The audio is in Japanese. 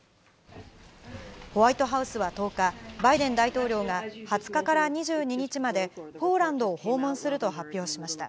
ホワイトハウスは１０日、バイデン大統領が、２０日から２２日まで、ポーランドを訪問すると発表しました。